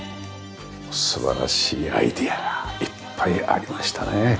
素晴らしいアイデアがいっぱいありましたね。